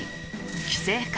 規制か？